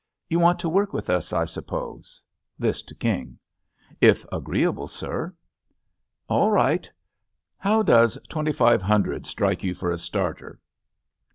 You want to work with us, I suppose?" This to King. If agreeable, sir." "All right. How does twenty five hundred strike you for a starter?"